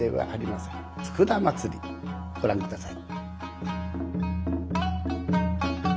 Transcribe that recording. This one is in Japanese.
「佃祭」ご覧下さい。